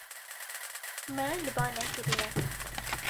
Me li ba nekiriye.